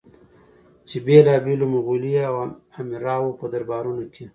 چې بېلابېلو مغولي امراوو په دربارونو کې